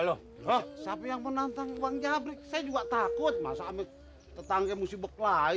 loh siapa yang menantang bang jabrik saya juga takut masa amit tetangga musti beklai